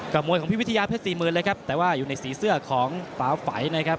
มวยของพี่วิทยาเพชรสี่หมื่นเลยครับแต่ว่าอยู่ในสีเสื้อของฟ้าไฝนะครับ